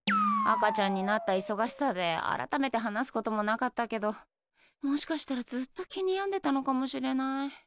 赤ちゃんになった忙しさで改めて話すこともなかったけどもしかしたらずっと気に病んでたのかもしれない。